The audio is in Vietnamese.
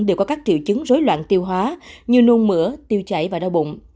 đều có các triệu chứng rối loạn tiêu hóa như nôn mửa tiêu chảy và đau bụng